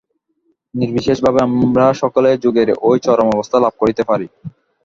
নির্বিশেষভাবে আমরা সকলেই যোগের এই চরম অবস্থা লাভ করিতে পারি।